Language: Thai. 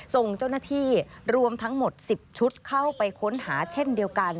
ส่งเจ้าหน้าที่รวมทั้งหมด๑๐ชุดเข้าไปค้นหาเช่นเดียวกัน